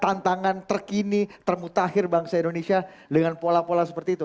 tantangan terkini termutakhir bangsa indonesia dengan pola pola seperti itu